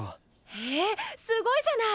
へぇすごいじゃない！